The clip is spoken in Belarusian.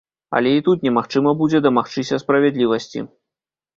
Але і тут немагчыма будзе дамагчыся справядлівасці.